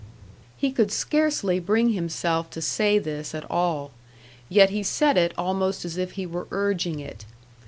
He could scarcely bring himself to say this at all; yet he said it almost as if he were urging it.